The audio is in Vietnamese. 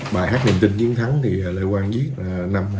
bài hát niềm tin chiến thắng thì lê quang viết năm hai nghìn hai